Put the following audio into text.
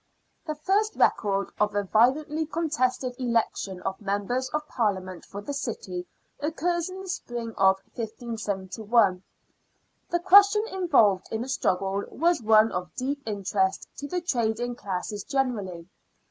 The first record of a violently contested election of Members of Parliament for the city occurs in the spring of 157 1. The question involved in the struggle was one of deep interest to the trading classes generally.